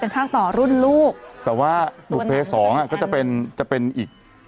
ทางต่อรุ่นลูกแต่ว่าบุภเพศสองอ่ะก็จะเป็นจะเป็นอีก